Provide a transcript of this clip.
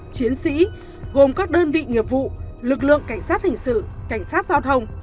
chiến sĩ gồm các đơn vị nghiệp vụ lực lượng cảnh sát hình sự cảnh sát giao thông